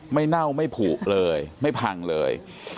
เน่าไม่ผูกเลยไม่พังเลย